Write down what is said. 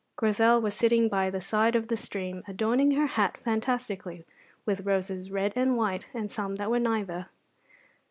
Grizel was sitting by the side of the stream, adorning her hat fantastically with roses red and white and some that were neither.